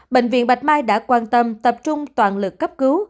bệnh viện bạch mai đã quan tâm tập trung toàn lực cấp cứu